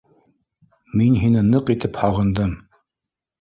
Мин һине ныҡ итеп һағындым.